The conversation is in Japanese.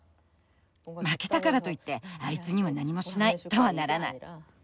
負けたからといってあいつには何もしないとはならない。